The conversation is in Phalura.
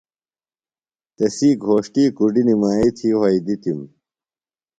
تسی گھوݜٹی کُڈیۡ نِمائی تھی وھئیدِتِم۔